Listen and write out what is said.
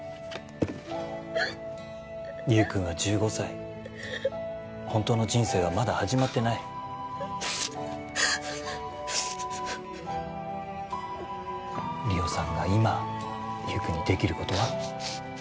優くんは１５歳本当の人生はまだ始まってない梨央さんが今優くんにできることは？